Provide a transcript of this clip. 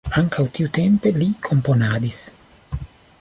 Ankaŭ tiutempe li komponadis.